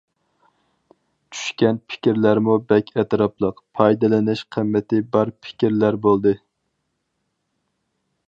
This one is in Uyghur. چۈشكەن پىكىرلەرمۇ بەك ئەتراپلىق، پايدىلىنىش قىممىتى بار پىكىرلەر بولدى.